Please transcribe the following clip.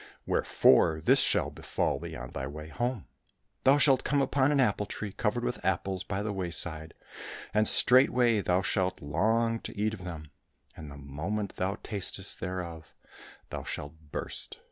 Wherefore this shall befall thee on thy way home : thou shalt come upon an apple tree covered with apples by the wayside, and straightway thou shalt long to eat of them, and the moment thou tastest thereof thou shalt burst.